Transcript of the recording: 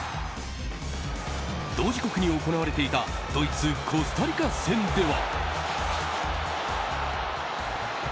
同時刻に行われていたドイツ、コスタリカ戦では。